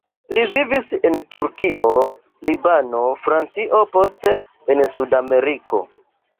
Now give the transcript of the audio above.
Li vivis en Turkio, Libano, Francio, poste en Sud-Ameriko.